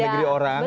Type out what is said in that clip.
di negeri orang